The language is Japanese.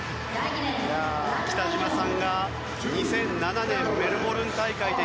北島さんが２００７年のメルボルン大会で